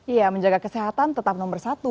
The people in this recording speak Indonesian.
iya menjaga kesehatan tetap nomor satu